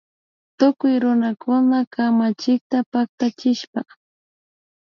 Tukuy runakuna kamachikta paktachishpa